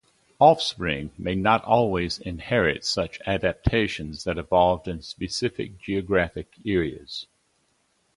Offspring may not always inherit such adaptations that evolved in specific geographic areas.